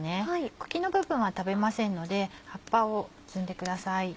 茎の部分は食べませんので葉っぱを摘んでください。